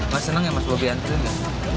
mas seneng ya mas bopi antri